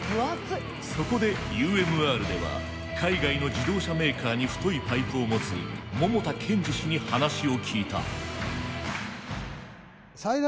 そこでＵＭＲでは海外の自動車メーカーに太いパイプを持つ桃田健史氏に話を聞いた。